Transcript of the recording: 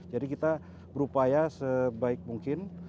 jadi kita berupaya sebaik mungkin